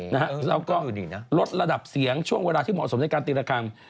แล้วก็ลดระดับเสียงช่วงเวลาที่เหมาะสมในการตีละครั้ง